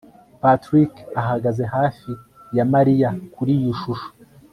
patrick ahagaze hafi ya mariya kuri iyo shusho